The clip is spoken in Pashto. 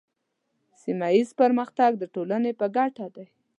سیمه ایز پرمختګ د ټولنې په ګټه دی.